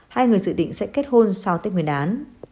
hai người dự định sẽ kết hôn sau tết nguyên đán